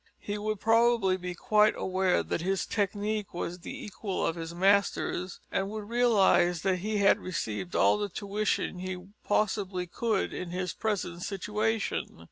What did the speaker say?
He would probably be quite aware that his technique was the equal of his master's, and would realise that he had received all the tuition he possibly could in his present situation.